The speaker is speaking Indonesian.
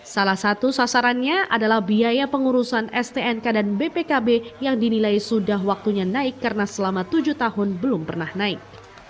salah satu sasarannya adalah biaya pengurusan stnk dan bpkb yang dinilai sudah waktunya naik karena selama tujuh tahun belum pernah naik